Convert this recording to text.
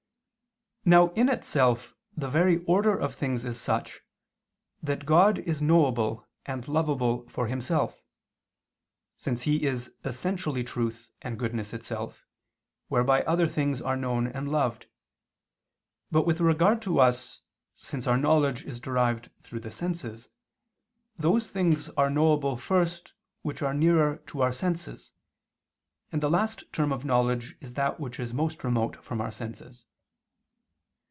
Now in itself the very order of things is such, that God is knowable and lovable for Himself, since He is essentially truth and goodness itself, whereby other things are known and loved: but with regard to us, since our knowledge is derived through the senses, those things are knowable first which are nearer to our senses, and the last term of knowledge is that which is most remote from our senses.